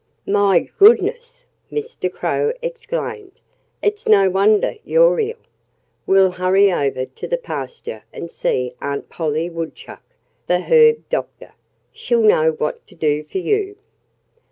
"My goodness!" Mr. Crow exclaimed. "It's no wonder you're ill.... We'll hurry over to the pasture and see Aunt Polly Woodchuck, the herb doctor. She'll know what to do for you."